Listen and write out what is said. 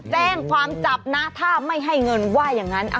แจ้งความจับนะถ้าไม่ให้เงินว่าอย่างนั้น